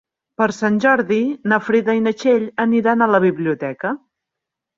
Per Sant Jordi na Frida i na Txell aniran a la biblioteca.